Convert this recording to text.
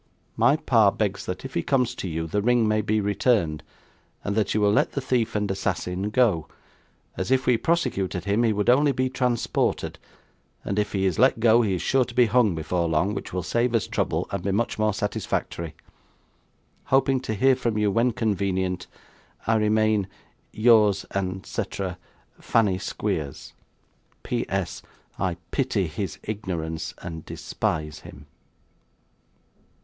My pa begs that if he comes to you the ring may be returned, and that you will let the thief and assassin go, as if we prosecuted him he would only be transported, and if he is let go he is sure to be hung before long which will save us trouble and be much more satisfactory. Hoping to hear from you when convenient 'I remain 'Yours and cetrer 'FANNY SQUEERS. 'P.S. I pity his ignorance and despise him.